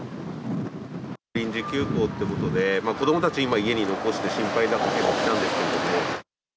臨時休校っていうことで、子どもたち、今、家に残して心配なんですけれども。